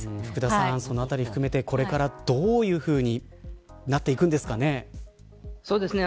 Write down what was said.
さん、そのあたりを含めてこれからどういうふうになっていくんですかね。